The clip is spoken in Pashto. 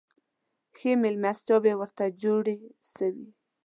ښې مېلمستیاوي ورته جوړي سوې.